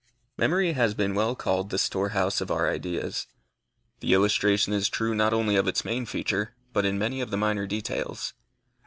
Memory has been well called the store house of our ideas. The illustration is true not only in its main feature, but in many of the minor details.